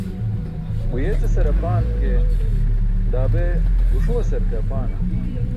Guyeecasar apan ke, daa be guṣuwasar ke apaana?